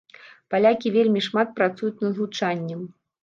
Палякі вельмі шмат працуюць над гучаннем.